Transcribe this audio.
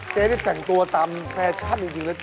เจ๊นี่แต่งตัวตามแปริชันอยู่แล้ว